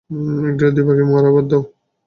এক ঢিলে দুই পাখি মারা বাদ দাও।